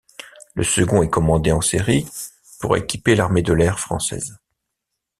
Le second est commandé en série pour équiper l'armée de l'air française.